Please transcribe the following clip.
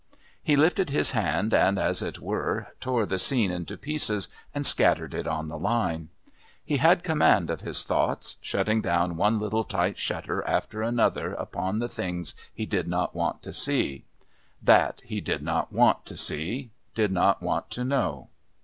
He lifted his hand and, as it were, tore the scene into pieces and scattered it on the line. He had command of his thoughts, shutting down one little tight shutter after another upon the things he did not want to see. That he did not want to see, did not want to know.